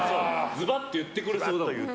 ズバッと言ってくれそうだもん。